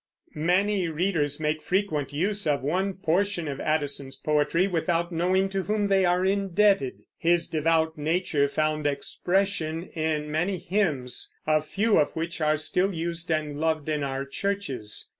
Many readers make frequent use of one portion of Addison's poetry without knowing to whom they are indebted. His devout nature found expression in many hymns, a few of which are still used and loved in our churches.